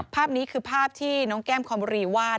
ภาพนี้คือภาพที่น้องแก้มคอมบุรีวาด